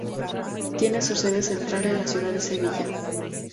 Tiene su sede central en la ciudad de Sevilla